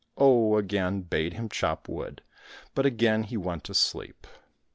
Oh again bade him chop wood, but again he went to sleep.